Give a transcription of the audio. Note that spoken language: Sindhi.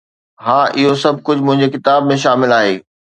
ها، اهو سڀ ڪجهه منهنجي ڪتاب ۾ شامل آهي